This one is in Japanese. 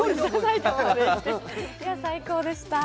最高でした。